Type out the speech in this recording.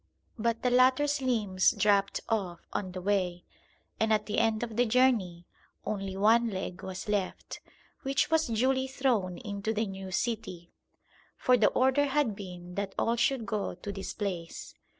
But the latter s limbs dropped off on the way, and at the end of the journey only one leg was left, which was duly thrown into the new city, "for the order had been that all should go to this place."